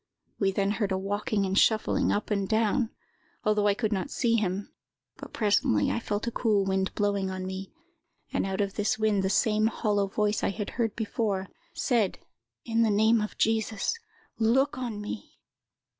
We then heard a walking and shuffling up and down, although I could not see him; but presently I felt a cool wind blowing on me, and out of this wind the same hollow voice I had heard before, said, 'In the name of Jesus, look on me!